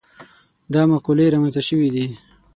دا مقولې رامنځته شوي دي.